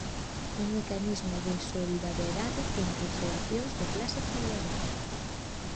Un mecanismo de solidariedade entre xeracións da clase traballadora.